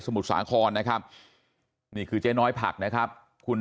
มุทรสาครนะครับนี่คือเจ๊น้อยผักนะครับคุณ